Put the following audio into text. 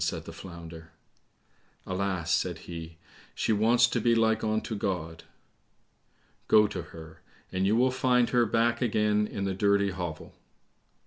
said the Flounder. "Alas," said he, "she wants to be like unto God." "Go to her, and you will find her back again in the dirty hovel."